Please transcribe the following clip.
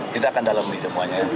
kita akan dalami semuanya